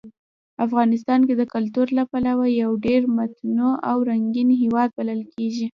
افغانستان د کلتور له پلوه یو ډېر متنوع او رنګین هېواد بلل کېږي.